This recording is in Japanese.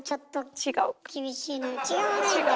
違わないんだけど。